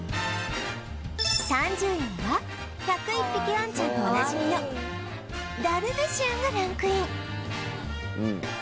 ３０位には『１０１匹わんちゃん』でおなじみのダルメシアンがランクイン